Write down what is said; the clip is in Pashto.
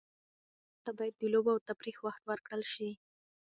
ماشومانو ته باید د لوبو او تفریح وخت ورکړل سي.